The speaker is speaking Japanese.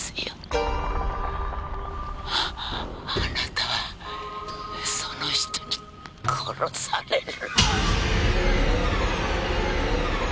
あなたはその人に殺される。